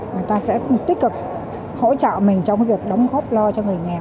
người ta sẽ tích cực hỗ trợ mình trong việc đóng góp lo cho người nghèo